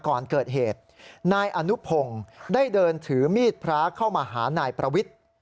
ก่อนเกิดเหตุนายอนุพงศ์ได้เดินถือมีดพระเข้ามาหานายประวิทธิ์